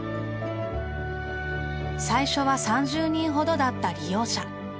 最初は３０人ほどだった利用者。